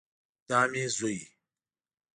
دا مې زوی